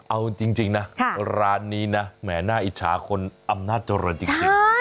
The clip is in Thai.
เอาจริงนะร้านนี้แม่หน้าอิจฉาคนอำนาจรณ์จริง